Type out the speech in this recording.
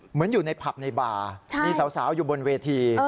เหมือนอยู่ในผับในบาร์มีสาวอยู่บนเวที